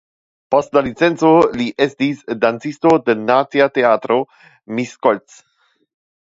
Post la licenco li estis dancisto de Nacia Teatro (Miskolc).